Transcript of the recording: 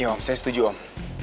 om saya setuju om